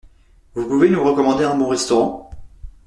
Vous pouvez nous recommander un bon restaurant ?